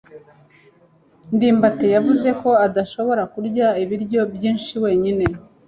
ndimbati yavuze ko adashobora kurya ibiryo byinshi wenyine.